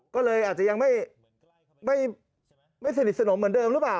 ก็เลยอาจจะยังไม่สนิทสนมเหมือนเดิมหรือเปล่า